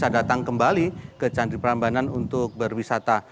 dan bisa datang kembali ke candi perambanan untuk berwisata